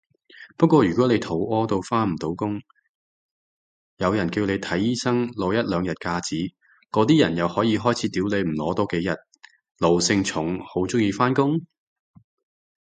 不過如果你肚痾到返唔到工，有人叫你睇醫生攞一兩日假紙，嗰啲人又可以開始屌你唔攞多幾日，奴性重好鍾意返工？